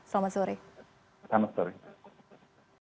selamat sore selamat sore